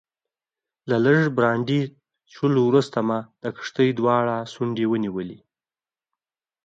له لږ برانډي څښلو وروسته مې د کښتۍ دواړې څنډې ونیولې.